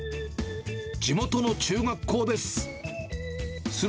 地元の中学校です。